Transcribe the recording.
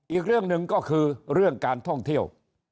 อีกเรื่องหนึ่งก็คือเรื่องการท่องเที่ยว